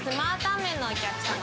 麺のお客様。